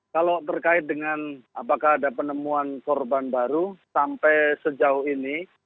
kalau terkait dengan apakah ada penemuan korban baru sampai sejauh ini